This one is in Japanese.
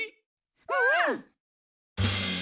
うん！